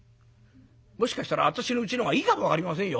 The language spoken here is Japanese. もしかしたら私のうちのほうがいいかも分かりませんよ。